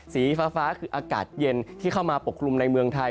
สีฟ้าคืออากาศเย็นที่เข้ามาปกคลุมในเมืองไทย